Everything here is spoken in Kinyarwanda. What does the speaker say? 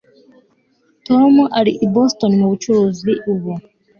Tom ari i Boston mubucuruzi ubu